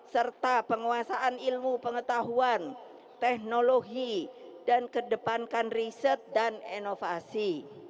serta penguasaan ilmu pengetahuan teknologi dan kedepankan riset dan inovasi